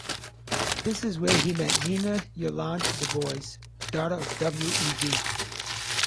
This is where he met Nina Yolande Du Bois, daughter of W. E. B.